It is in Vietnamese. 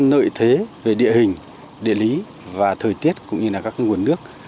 lợi thế về địa hình địa lý và thời tiết cũng như là các nguồn nước